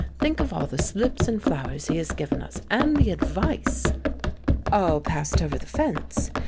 Think of all the slips and flowers he has given us, and the advice " "All passed over the fence.